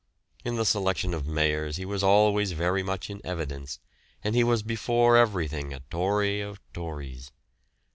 In the selection of Mayors he was always very much in evidence, and he was before everything a Tory of Tories.